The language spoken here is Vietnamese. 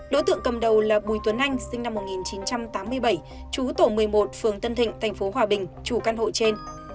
đối tượng cầm đầu là bùi tuấn anh sinh năm một nghìn chín trăm tám mươi bảy chú tổ một mươi một phường tân thịnh tp hòa bình chủ căn hộ trên